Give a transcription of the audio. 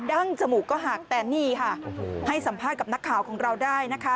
ั้งจมูกก็หักแต่นี่ค่ะให้สัมภาษณ์กับนักข่าวของเราได้นะคะ